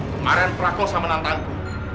kemarin prakosa menantangku